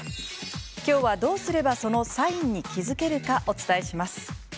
今日は、どうすればそのサインに気付けるかお伝えします。